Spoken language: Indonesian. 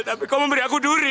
tapi kau memberi aku duri